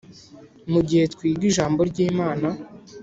mu gihe twiga ijambo ryimana